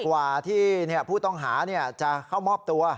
กว่าที่ผู้ต้องหาจะเข้ามอบตัว